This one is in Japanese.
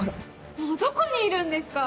もうどこにいるんですか！